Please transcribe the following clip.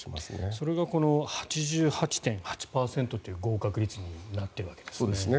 それが８８．９％という合格率になっているわけですね。